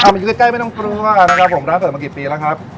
เอามาอยู่ใกล้ใกล้ไม่ต้องกลัวนะครับผมร้านเกิดมากี่ปีแล้วครับ